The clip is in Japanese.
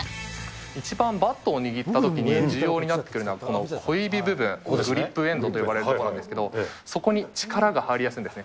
一番バットを握ったときに、重要になってくるのが、この小指部分、グリップエンドと呼ばれるところですけど、そこに力が入りやすいんですね。